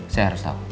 saya harus tahu